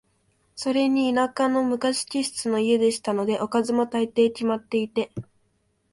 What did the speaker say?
それに田舎の昔気質の家でしたので、おかずも、大抵決まっていて、